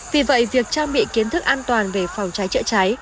vì vậy việc trang bị kiến thức an toàn về phòng cháy chữa cháy